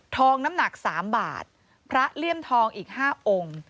น้ำหนัก๓บาทพระเลี่ยมทองอีก๕องค์